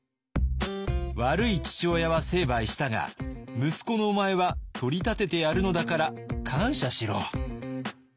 「悪い父親は成敗したが息子のお前は取り立ててやるのだから感謝しろ」。